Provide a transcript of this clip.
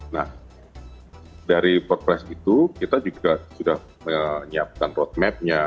nah dari perpres itu kita juga sudah menyiapkan roadmapnya